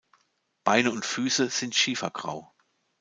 Beine und Füße sind schiefergrau.